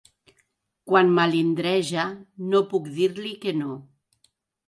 Quan melindreja no puc dir-li que no.